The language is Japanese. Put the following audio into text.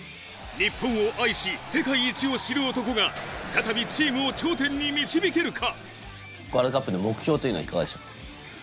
日本を愛し、世界一を知る男が再びチームを頂点に導けるか？